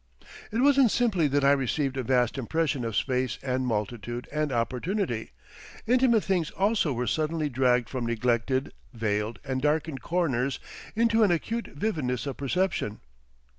It wasn't simply that I received a vast impression of space and multitude and opportunity; intimate things also were suddenly dragged from neglected, veiled and darkened corners into an acute vividness of perception.